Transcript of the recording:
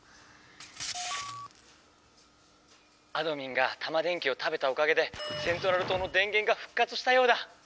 あどミンがタマ電Ｑを食べたおかげでセントラル島の電げんがふっ活したようだ。